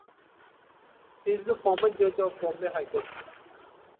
He is the former Judge of Bombay High Court.